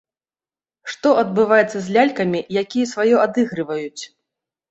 Што адбываецца з лялькамі, якія сваё адыгрываюць?